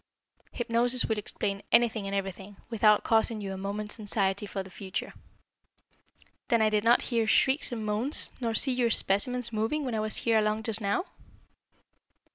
Hypnosis will explain anything and everything, without causing you a moment's anxiety for the future." "Then I did not hear shrieks and moans, nor see your specimens moving when I was here along just now?"